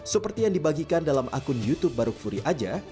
seperti yang dibagikan dalam akun youtube baruk furi aja